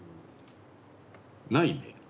ないね。